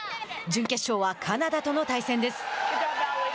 準決勝はカナダとの対戦です。